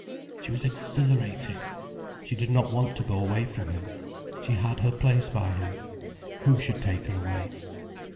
She was exhilarated, she did not want to go away from him. She had her place by him. Who should take her away?